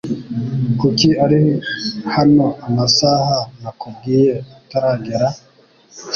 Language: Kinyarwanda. Kuki ari hano amasaha nakubwiye ataragera?